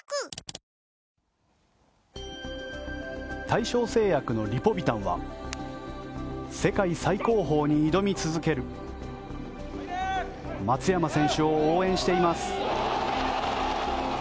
大正製薬のリポビタンは世界最高峰に挑み続ける松山選手を応援しています。